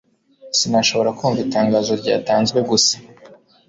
sinashoboraga kumva itangazo ryatanzwe gusa